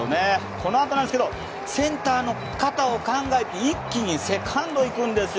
このあと、センターの肩を考え一気にセカンド行くんですよ。